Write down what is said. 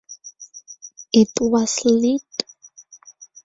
It was lit.